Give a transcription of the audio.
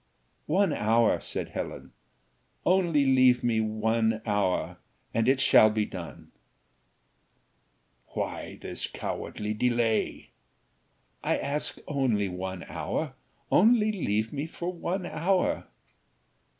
"One hour," said Helen, "only leave me for one hour, and it shall be done." "Why this cowardly delay?" "I ask only one hour only leave me for one hour."